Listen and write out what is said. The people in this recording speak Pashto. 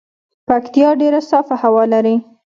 پکتيا ډیره صافه هوا لري